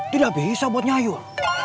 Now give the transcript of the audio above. tidak bisa buat nyayur